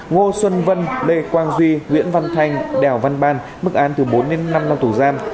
ngô xuân vân lê quang duy nguyễn văn thanh đèo văn ban bức án từ bốn năm năm tù gian